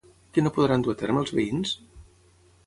Què no podran dur a terme els veïns?